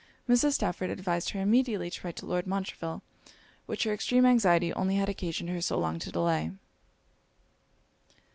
Mrs. Stafford advised her immediately to write to Lord Montreville; which her extreme anxiety only had occasioned her so long to delay.